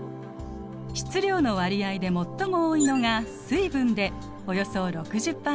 質量の割合で最も多いのが水分でおよそ６０％。